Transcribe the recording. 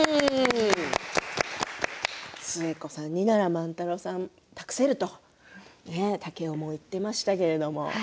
寿恵子さんになら万太郎さんを託せると竹雄も言っていましたけど。